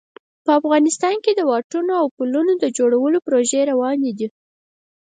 افغانستان کې د واټونو او پلونو د جوړولو پروژې روانې دي